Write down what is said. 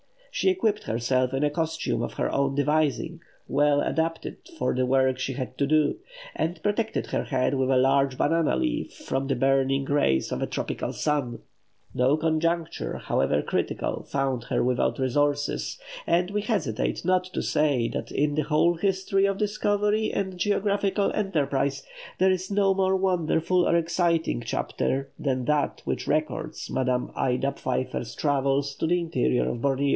She equipped herself in a costume of her own devising, well adapted for the work she had to do; and protected her head with a large banana leaf from the burning rays of a tropical sun. No conjuncture, however critical, found her without resources; and we hesitate not to say that in the whole history of discovery and geographical enterprise there is no more wonderful or exciting chapter than that which records Madame Ida Pfeiffer's travels in the interior of Borneo.